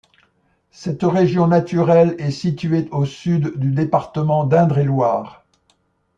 Cette région naturelle est située au sud du département d'Indre-et-Loire.